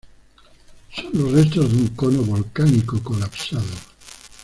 Son los restos de un cono volcánico colapsado.